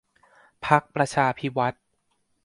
พรรคประชาภิวัฒน์